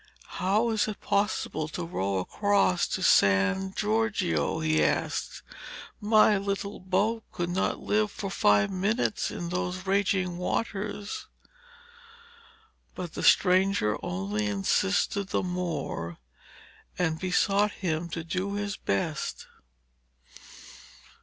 'How is it possible to row across to San Giorgio?' he asked. 'My little boat could not live for five minutes in those raging waters.' But the stranger only insisted the more, and besought him to do his best.